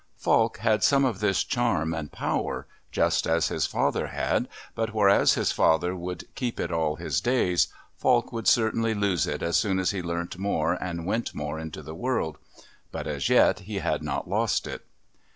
Falk had some of this charm and power just as his father had, but whereas his father would keep it all his days, Falk would certainly lose it as he learnt more and went more into the world. But as yet he had not lost it.